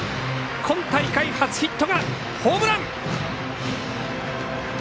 今大会初ヒットがホームラン！